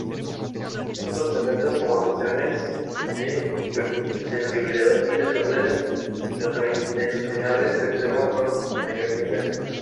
Otros efectos, como reacciones de hipersensibilidad y desórdenes gastrointestinales, se observan con mayor frecuencia.